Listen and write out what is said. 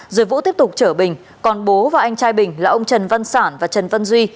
rồi vũ tiếp tục chở bình còn bố và anh trai bình là ông trần văn sản và trần văn duy